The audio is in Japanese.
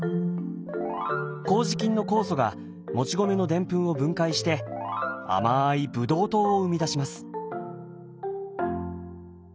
こうじ菌の酵素がもち米のデンプンを分解して甘いブドウ糖を生み出します。